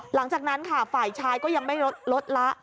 หลังจากนั้นค่ะฝ่ายชายก็ยังไม่ลดละ